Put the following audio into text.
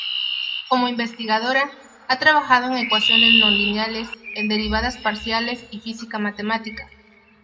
Como investigadora, ha trabajado en ecuaciones no-lineales en derivadas parciales y física matemática.